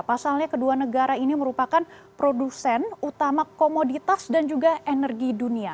pasalnya kedua negara ini merupakan produsen utama komoditas dan juga energi dunia